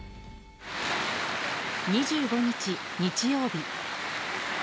２５日、日曜日。